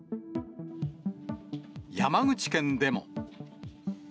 山口県でも。